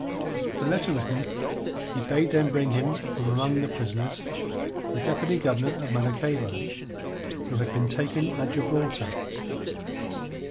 The letter written, he bade them bring him from among the prisoners the Deputy Governor of Maracaybo, who had been taken at Gibraltar.